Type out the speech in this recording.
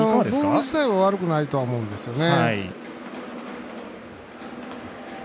ボール自体は悪くないと思うんですよね。